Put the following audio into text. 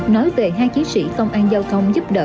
nói về hai chiến sĩ công an giao thông giúp đỡ